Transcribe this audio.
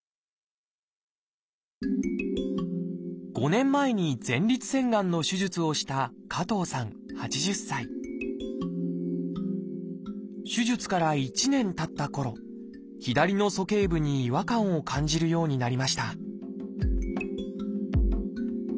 ５年前に前立腺がんの手術をした手術から１年たったころ左の鼠径部に違和感を感じるようになりました